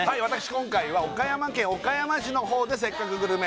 今回は岡山県岡山市のほうで「せっかくグルメ！！」